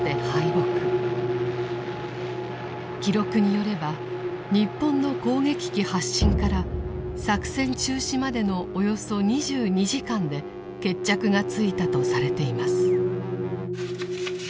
記録によれば日本の攻撃機発進から作戦中止までのおよそ２２時間で決着がついたとされています。